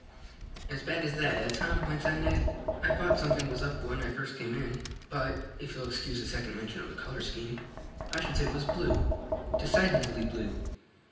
"As bad as that, eh, Tom?" went on Ned. "I thought something was up when I first came in, but, if you'll excuse a second mention of the color scheme, I should say it was blue decidedly blue.